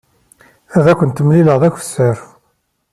Ad kent-mlileɣ d akessar.